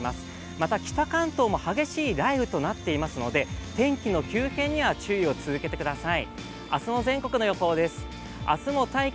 また、北関東も激しい雷雨となっていますので天気の急変には注意を続けてください。